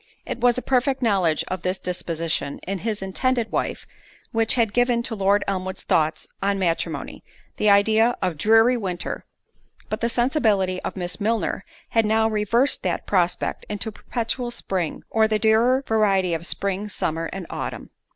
It was a perfect knowledge of this disposition in his intended wife which had given to Lord Elmwood's thoughts on matrimony, the idea of dreary winter; but the sensibility of Miss Milner had now reversed that prospect into perpetual spring; or the dearer variety of spring, summer, and autumn.